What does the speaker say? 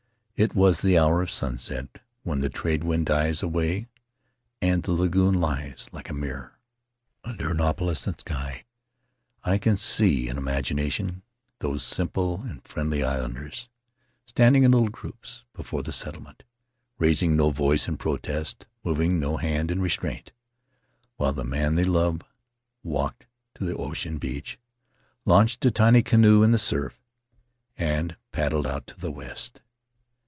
It was the hour of sunset, when the trade wind dies away and the lagoon lies like a mirror under an opalescent sky. ... I can see in imagination those simple and friendly islanders, standing in little groups before the settlement —raising no voice in protest, moving no hand in restraint — while the man they loved walked to the ocean beach, launched a tiny canoe in the surf, and paddled out to the west.